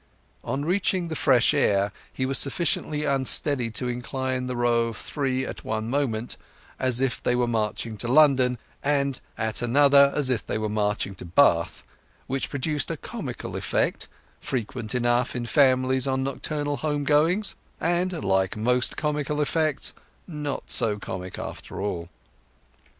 On reaching the fresh air he was sufficiently unsteady to incline the row of three at one moment as if they were marching to London, and at another as if they were marching to Bath—which produced a comical effect, frequent enough in families on nocturnal homegoings; and, like most comical effects, not quite so comic after all.